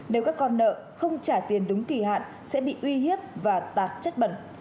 nếu các con nợ không trả tiền đúng kỳ hạn sẽ bị uy hiếp và tạc chất bẩn